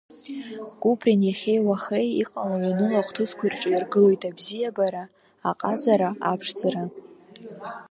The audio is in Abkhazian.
Куприн иахьеи-уахеи иҟало-ианыло ахҭысқәа ирҿаиргылоит абзиабара, аҟазара, аԥшӡара.